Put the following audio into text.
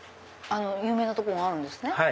有名なとこがあるんですか？